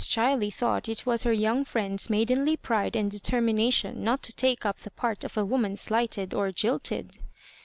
Chiley thought it was her young ftiend's maidenly pride and determination not to take up the part of a woman slighted or jUted.